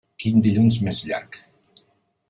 Quin dilluns més llarg!